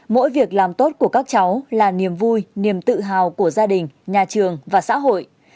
mỗi việc làm tốt của các cháu là niềm vui niềm tự hào của gia đình nhà trường và xã hội